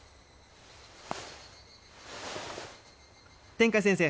天海先生